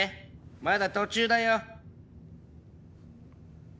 まだ途中だよ。